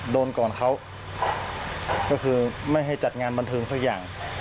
โดนก่อนเขาก็คือไม่ให้จัดงานบันเทิงสักอย่าง